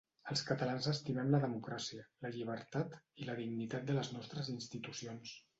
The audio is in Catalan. Els catalans estimem la democràcia, la llibertat i la dignitat de les nostres institucions.